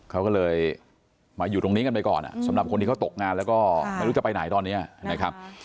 เขาก็เลยมาอยู่ตรงนี้กันไปก่อนสำหรับคนที่เขาตกงานแล้วก็ไม่รู้จะไปไหนตอนนี้นะครับ